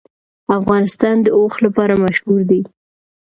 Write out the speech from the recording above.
افغانستان د اوښ لپاره مشهور دی.